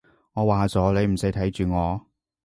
我話咗，你唔使睇住我